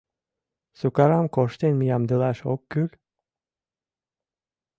— Сукарам коштен ямдылаш ок кӱл?